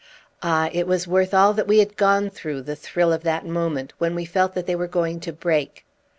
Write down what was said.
Ah! it was worth all that we had gone through, the thrill of that moment, when we felt that they were going to break.